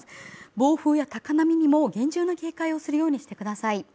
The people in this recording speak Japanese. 暴風や高波にも厳重な警戒をするようにしてください